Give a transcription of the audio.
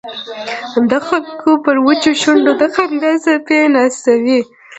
د خلکو پر وچو شونډو د خندا څپې نڅوي.